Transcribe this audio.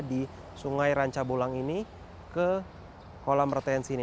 di sungai ranca bulang ini ke kolam retensi ini